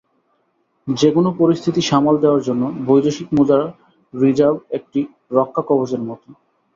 যেকোনো পরিস্থিতি সামাল দেওয়ার জন্য বৈদেশিক মুদ্রার রিজার্ভ একটি রক্ষাকবচের মতো।